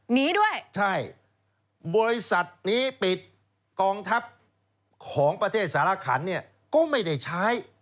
หนีด้วยใช่บริษัทนี้ปิดกองทัพของประเทศสารขันเนี่ยก็ไม่ได้ใช้